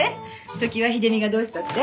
常盤秀美がどうしたって？